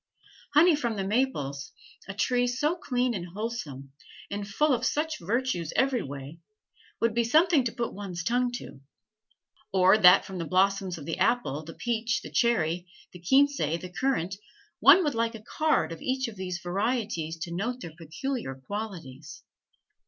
Honey from the maples, a tree so clean and wholesome, and full of such virtues every way, would be something to put one's tongue to. Or that from the blossoms of the apple, the peach, the cherry, the quince, the currant, one would like a card of each of these varieties to note their peculiar qualities.